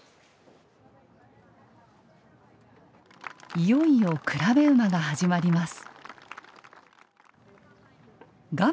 いよいよ競馬が始まります。